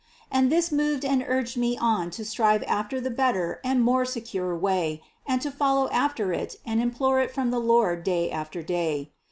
And this moved and urged me on to strive after the better and more secure way and to follow after it and implore it from the Lord day after day.